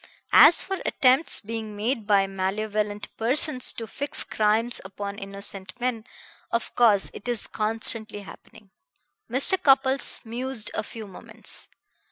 As for attempts being made by malevolent persons to fix crimes upon innocent men, of course it is constantly happening." Mr. Cupples mused a few moments.